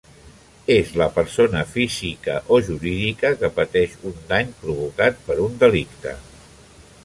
És la persona física o jurídica que pateix un dany provocat per un delicte.